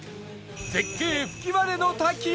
絶景吹割の滝へ！